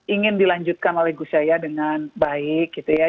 ingin dilanjutkan oleh gus yaya dengan baik gitu ya